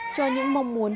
cho những mong muốn